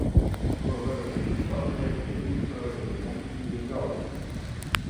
Ko varat mums pateikt par Viktora Delensija draudzeni?